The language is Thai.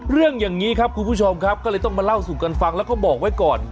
เรื่องอย่างนี้ครับคุณผู้ชมครับก็เลยต้องมาเล่าสู่กันฟังแล้วก็บอกไว้ก่อน